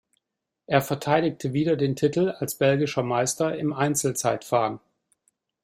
Er verteidigte wieder den Titel als belgischer Meister im Einzelzeitfahren.